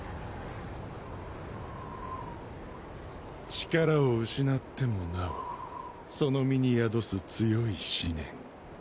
力を失ってもなおその身に宿す強い思念。